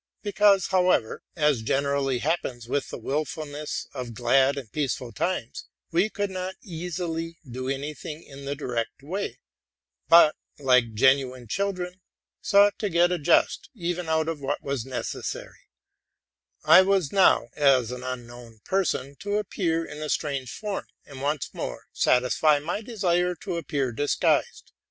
Because, however, —as gen erally happens with the wilfulness of glad and peaceful times, —we could not easily do any thing in the direct way, but, like genuine children, sought to get a jest, even out of what was necessary, I was now, as an unknown person, to appear in a strange form, and once more satisfy my desire to appear disguised.